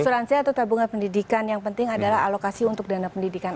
asuransi atau tabungan pendidikan yang penting adalah alokasi untuk dana pendidikan